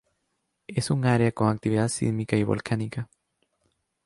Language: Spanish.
Es un área con alta actividad sísmica y volcánica.